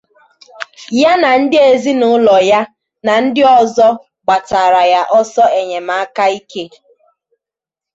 ya na ndị ezinaụlọ ya na ndị ọzọ gbataara ya ọsọ enyemaka ike